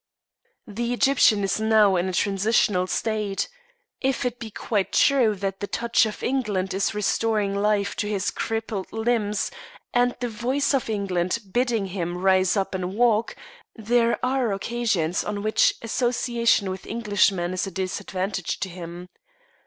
The Egyptian is now in a transitional state. If it be quite true that the touch of England is restoring life to his crippled limbs, and the voice of England bidding him rise up and walk, there are occasions on which association with Englishmen is a disadvantage to him.